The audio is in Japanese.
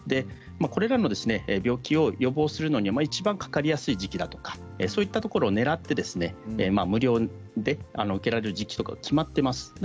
これらの病気を予防するのにいちばんかかりやすい時期だとかそういったところをねらって無料で受けられる時期が決まっています。